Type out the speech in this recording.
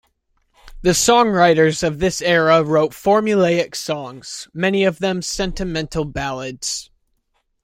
The songwriters of this era wrote formulaic songs, many of them sentimental ballads.